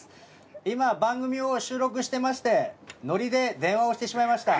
今番組を収録してましてノリで電話をしてしまいました。